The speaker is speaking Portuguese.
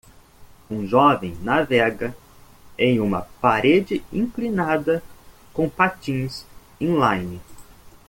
Um jovem navega em uma parede inclinada com patins inline